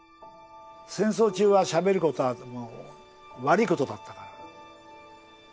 戦争中はしゃべることは悪いことだったから。